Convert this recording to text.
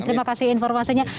terima kasih informasinya